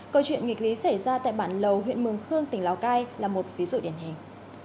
câu chuyện nghịch lý xảy ra tại bản lầu huyện mường khương tỉnh lào cai là một ví dụ điển hình